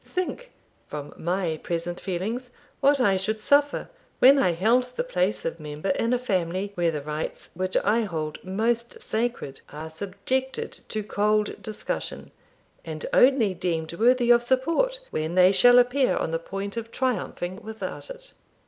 Think, from my present feelings, what I should suffer when I held the place of member in a family where the rights which I hold most sacred are subjected to cold discussion, and only deemed worthy of support when they shall appear on the point of triumphing without it!'